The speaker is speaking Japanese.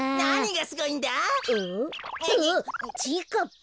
あっちぃかっぱ。